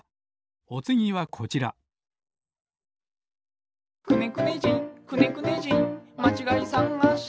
おつぎはこちら「くねくね人くねくね人まちがいさがし」